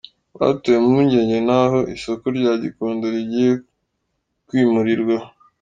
Batewe impungenge n’aho isoko rya Gikondo rigiye kwimurirwa